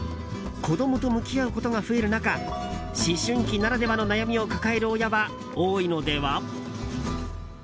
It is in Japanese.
子供と向き合うことが増える中思春期ならではの悩みを抱える親は多いのでは？